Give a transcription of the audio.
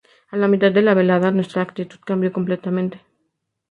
A la mitad de la velada, nuestra actitud cambió completamente.